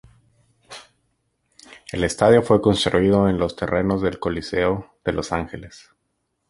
El estadio fue construido en los terrenos del Coliseo de Los Ángeles.